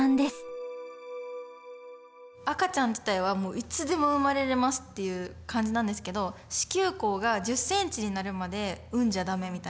赤ちゃん自体はいつでも産まれれますっていう感じなんですけど子宮口が１０センチになるまで産んじゃ駄目みたいな。